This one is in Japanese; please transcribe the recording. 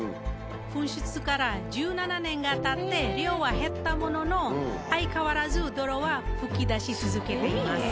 噴出から１７年がたって量は減ったものの相変わらず泥は噴き出し続けています。